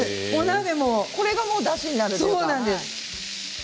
これがもうだしになるんですよね。